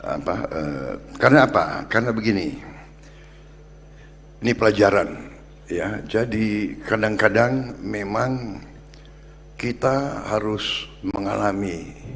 apa karena apa karena begini ini pelajaran ya jadi kadang kadang memang kita harus mengalami